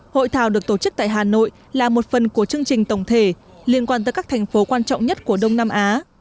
hội thảo được tổ chức tại hà nội là một phần của chương trình tổng thể liên quan tới các thành phố quan trọng nhất của đông nam á